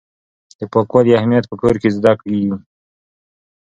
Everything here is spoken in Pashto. د پاکوالي اهمیت په کور کې زده کیږي.